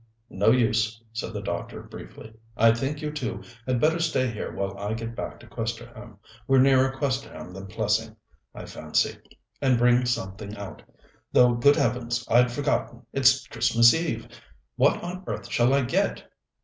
"No use," said the doctor briefly. "I think you two had better stay here while I get back to Questerham we're nearer Questerham than Plessing, I fancy and bring something out. Though, good heavens! I'd forgotten it's Christmas Eve. What on earth shall I get?"